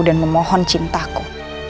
dan memohon cintaku